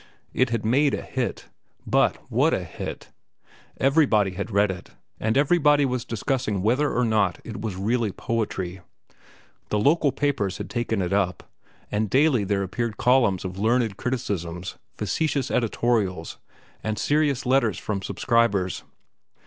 It had made a hit. But what a hit! Everybody had read it, and everybody was discussing whether or not it was really poetry. The local papers had taken it up, and daily there appeared columns of learned criticisms, facetious editorials, and serious letters from subscribers.